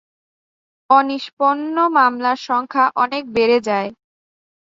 অনিষ্পন্ন মামলার সংখ্যা অনেক বেড়ে যায়।